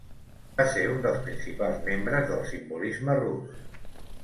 Va ser un dels principals membres del simbolisme rus.